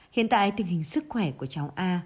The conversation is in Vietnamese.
hiện tại tình hình sức khỏe của cháu a